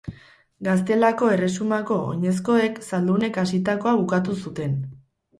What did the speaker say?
Gaztelako Erresumako oinezkoek, zaldunek hasitakoa bukatu zuten.